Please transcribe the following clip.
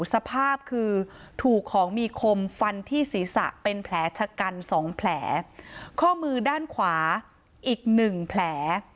สภาพคือถูกของมีคมฟันที่ศีรษะเป็นแผลชะกันสองแผลข้อมือด้านขวาอีกหนึ่งแผล